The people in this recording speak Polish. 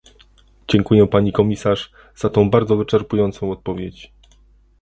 Dziękuję pani komisarz, za tą bardzo wyczerpującą odpowiedź